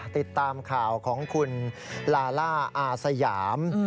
ติดตามข่าวของคุณลาล่าอาสยาม